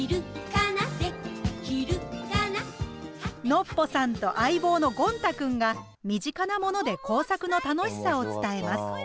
ノッポさんと相棒のゴン太くんが身近なもので工作の楽しさを伝えます。